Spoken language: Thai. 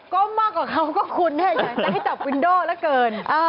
ก้มมากกว่าเขาก็คุณเนี่ยจะให้จับวินโดร์แล้วเกิน